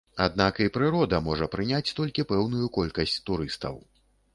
Аднак і прырода можа прыняць толькі пэўную колькасць турыстаў.